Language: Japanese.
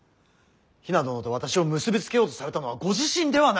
比奈殿と私を結び付けようとされたのはご自身ではないですか。